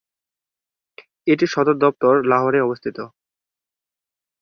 এটির সদর দফতর লাহোরে অবস্থিত।